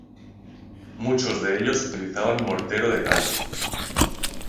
Muchos de ellos utilizaban mortero de cal.